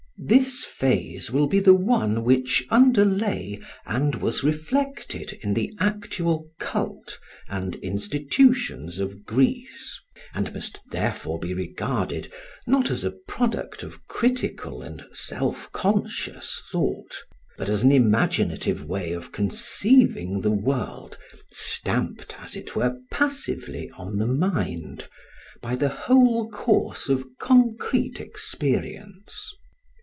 This phase will be the one which underlay and was reflected in the actual cult and institutions of Greece and must therefore be regarded not as a product of critical and self conscious thought, but as an imaginative way of conceiving the world stamped as it were passively on the mind by the whole course of concrete experience.